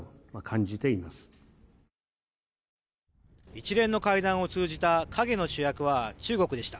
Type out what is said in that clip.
一連の会談を通じた陰の主役は中国でした。